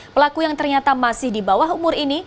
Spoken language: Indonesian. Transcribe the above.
pelaku yang ternyata masih di bawah umur ini